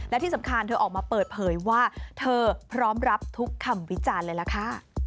และที่สำคัญเธอออกมาเปิดเผยว่าเธอพร้อมรับทุกคำวิจารณ์เลยล่ะค่ะ